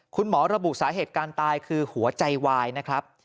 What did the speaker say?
คุณหมอระบุสาเหตุการตายคือหัวใจวายนะครับ